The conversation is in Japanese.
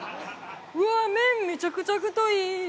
うわぁ麺めちゃくちゃ太い！